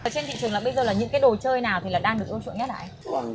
trên thị trường bây giờ là những cái đồ chơi nào thì đang được ưu chuộng nhất hả anh